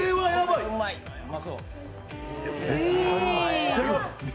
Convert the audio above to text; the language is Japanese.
いただきます、